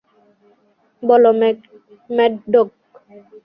বলো, mad dog!